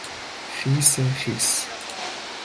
خیسخیس